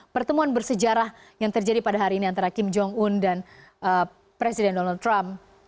pertemuan bersejarah yang terjadi pada hari ini antara kim jong un dan presiden donald trump